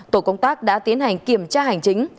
tổ công tác đã tiến hành kiểm tra hành chính